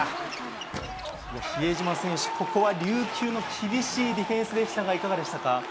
もう比江島選手、ここは琉球の厳しいディフェンスでしたが、いかがでしたか。